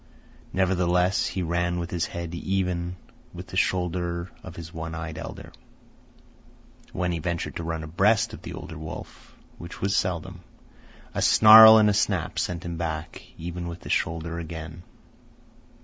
Nevertheless, he ran with his head even with the shoulder of his one eyed elder. When he ventured to run abreast of the older wolf (which was seldom), a snarl and a snap sent him back even with the shoulder again.